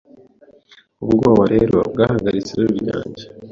Ubwoba rero bwahagaritse irari ryanjye